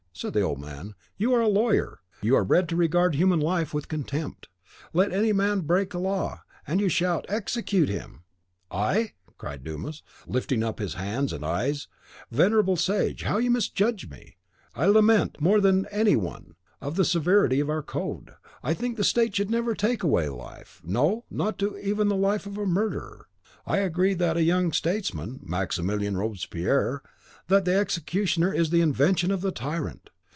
said the old man, "you are a lawyer. You are bred to regard human life with contempt. Let any man break a law, and you shout, 'Execute him!'" "I!" cried Dumas, lifting up his hands and eyes: "venerable sage, how you misjudge me! I lament more than any one the severity of our code. I think the state never should take away life, no, not even the life of a murderer. I agree with that young statesman, Maximilien Robespierre, that the executioner is the invention of the tyrant.